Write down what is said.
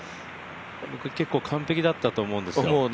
結構完璧だったと思うんですが。